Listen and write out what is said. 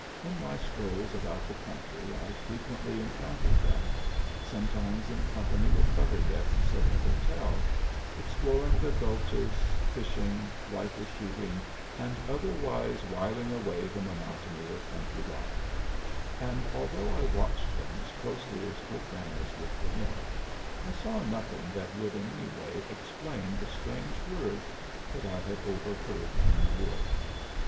In my strolls about the country I frequently encountered them sometimes in company with other guests of the hotel exploring the gulches, fishing, rifle shooting, and otherwise wiling away the monotony of country life; and although I watched them as closely as good manners would permit I saw nothing that would in any way explain the strange words that I had overheard in the wood.